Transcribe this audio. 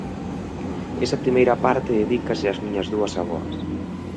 Esa primeira parte dedícase ás miñas dúas avoas.